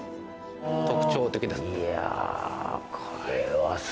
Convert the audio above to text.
特徴的です。